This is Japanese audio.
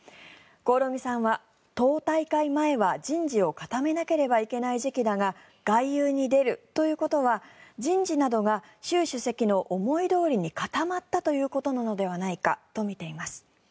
興梠さんは、党大会前は人事を固めなければいけない時期だが外遊に出るということは人事などが習主席の思いどおりに固まったということなのではないかと見ています。